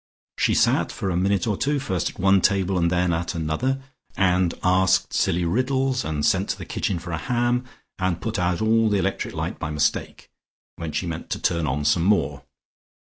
She sat for a minute or two first at one table and then at another, and asked silly riddles, and sent to the kitchen for a ham, and put out all the electric light by mistake, when she meant to turn on some more.